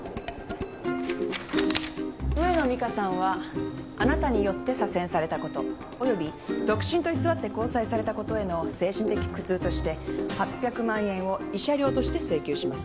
上野美香さんはあなたによって左遷されたことおよび独身と偽って交際されたことへの精神的苦痛として８００万円を慰謝料として請求します。